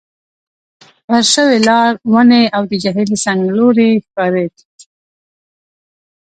فرش شوي لار، ونې، او د جهیل څنګلوری ښکارېد.